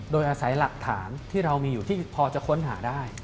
โดยอาศัยหลักฐานที่เรามีอยู่ที่พอจะค้นหาได้